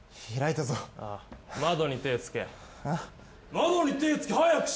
窓に手ぇつけ早くしろ！